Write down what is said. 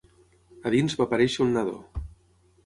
A dins va aparèixer un nadó.